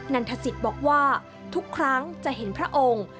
ันทศิษย์บอกว่าทุกครั้งจะเห็นพระองค์